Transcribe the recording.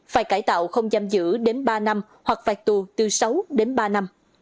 phải cải tạo không giam giữ đến ba năm hoặc phạt tù từ sáu đến ba năm